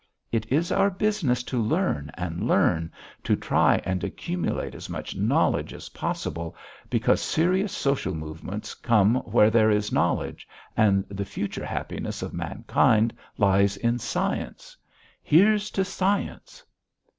"It is our business to learn and learn, to try and accumulate as much knowledge as possible, because serious social movements come where there is knowledge, and the future happiness of mankind lies in science. Here's to science!"